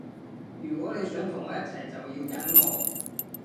如果你想同我一齊就要忍我